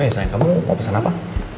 eh sayang kamu mau pesen apa